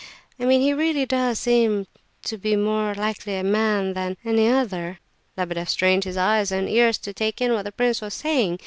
I mean he really does seem to be a more likely man than... than any other." Lebedeff strained his eyes and ears to take in what the prince was saying.